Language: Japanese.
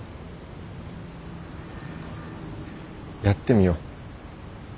やってみよ。